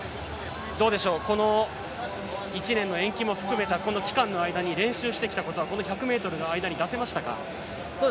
この１年の延期も含めたこの期間の間に練習してきたことはこの１００ｍの間に出せましたか？